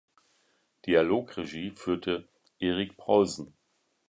Dialogregie führte Erik Paulsen.